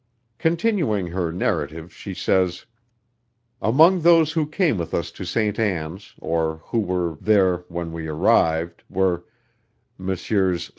Continuing her narrative, she says: Among those who came with us to St. Ann's, or who were there when we arrived were Messrs.